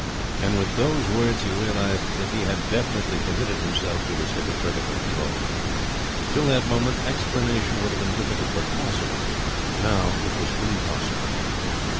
And with those words he realized that he had definitely committed himself to his hypocritical role. Till that moment explanation would have been difficult, but possible. Now it was impossible.